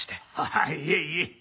あっいえいえ。